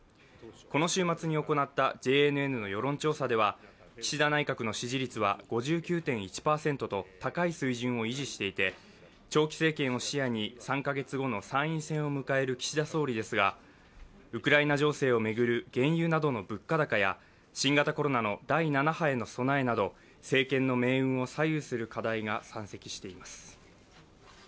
この週末に行ったＪＮＮの世論調査では岸田内閣の支持率は５９．１％と高い水準を維持していて長期政権を視野に３カ月後の参院選を迎える岸田総理ですが、ウクライナ情勢を巡る原油などの物価高や新型コロナの第７波への備えなど政権の命運を左右する課題が山積しています。